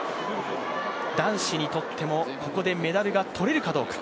男子にとっても、ここでメダルが取れるかどうか。